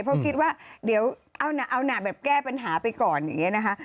เพราะคิดว่าเดี๋ยวเอานะแบบแก้ปัญหาไปก่อนอย่างนี้นะคะ